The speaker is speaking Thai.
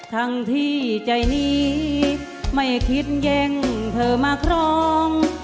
ทั้งที่ใจนี้ไม่คิดแย่งเธอมาครอง